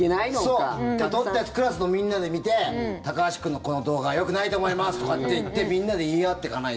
そう、撮ったやつクラスのみんなで見てタカハシ君のこの動画はよくないと思いますとかって言ってみんなで言い合っていかないと。